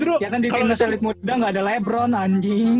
iya kan di tim neselit muda gak ada lebron anjing